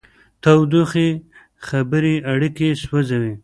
تودې خبرې اړیکې سوځوي.